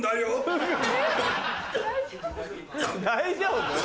大丈夫？